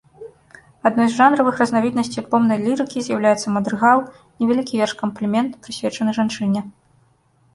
Адной з жанравых разнавіднасцей альбомнай лірыкі з'яўляецца мадрыгал, невялікі верш-камплімент, прысвечаны жанчыне.